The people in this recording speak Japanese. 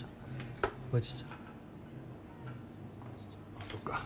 あっそっか。